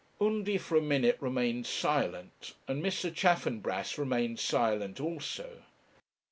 Undy for a minute remained silent, and Mr. Chaffanbrass remained silent also.